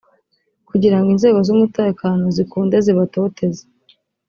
kugira ngo inzego z’umutekano zikunde zibatoteze